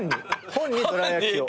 本にどら焼きを？